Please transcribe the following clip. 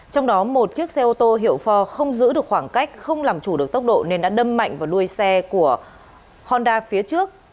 trong đó một chiếc xe ô tô hiệu phò không giữ được khoảng cách không làm chủ được tốc độ nên đã đâm mạnh vào đuôi xe của honda phía trước